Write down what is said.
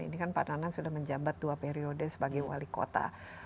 ini kan pak nanan sudah menjabat dua periode sebagai wali kota